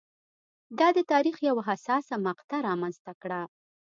دا د تاریخ یوه حساسه مقطعه رامنځته کړه.